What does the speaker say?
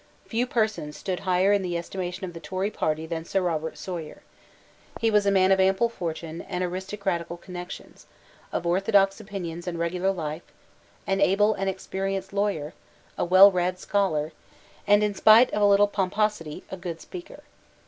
Few persons stood higher in the estimation of the Tory party than Sir Robert Sawyer. He was a man of ample fortune and aristocratical connections, of orthodox opinions and regular life, an able and experienced lawyer, a well read scholar, and, in spite of a little pomposity, a good speaker.